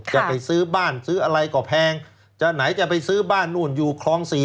จะไปซื้อบ้านซื้ออะไรก็แพงจะไหนจะไปซื้อบ้านนู่นอยู่คลอง๔